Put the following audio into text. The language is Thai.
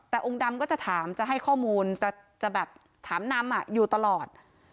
แต่องค์ดำก็จะถามจะให้ข้อมูลจะแบบถามนำอยู่ตลอด